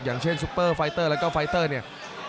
อย่างเช่นซุปเปอร์ไฟเตอร์แล้วก็ไฟเตอร์เนี่ย